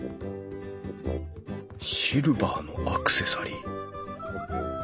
シルバーのアクセサリー。